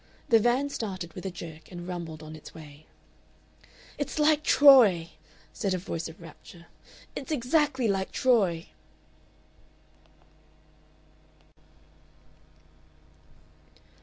The van started with a jerk and rumbled on its way. "It's like Troy!" said a voice of rapture. "It's exactly like Troy!"